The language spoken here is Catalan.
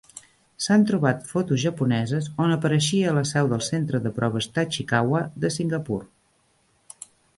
S'han trobat fotos japoneses on apareixia a la seu del centre de proves Tachikawa de Singapur.